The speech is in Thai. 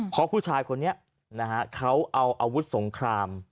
เพราะผู้ชายคนนี้นะฮะเขาเอาอาวุธสงคราม